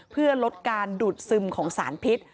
เพื่อลดการดูดซึมของสารพิษ